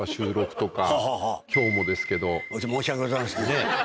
申し訳ございません。